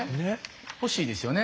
欲しいですよね